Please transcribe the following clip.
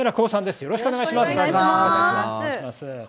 よろしくお願いします。